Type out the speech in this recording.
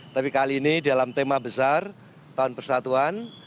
tapi kali ini dalam tema besar tahun persatuan